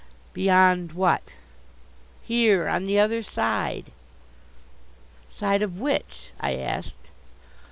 "Beyond what?" "Here on the other side." "Side of which?" I asked.